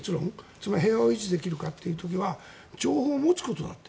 つまり平和を維持できるかということは情報を持つことだって。